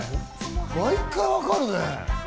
毎回わかるね。